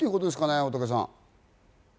大竹さん。